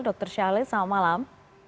dr syahril selamat malam